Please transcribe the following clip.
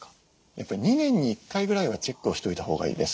やっぱり２年に１回ぐらいはチェックをしといたほうがいいです。